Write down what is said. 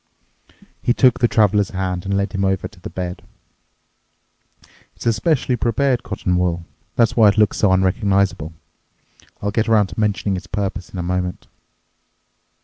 He took the Traveler's hand and led him over to the bed. "It's a specially prepared cotton wool. That's why it looks so unrecognizable. I'll get around to mentioning its purpose in a moment."